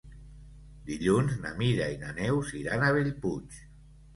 Dilluns na Mira i na Neus iran a Bellpuig.